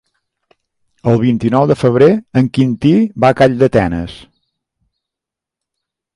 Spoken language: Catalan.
El vint-i-nou de febrer en Quintí va a Calldetenes.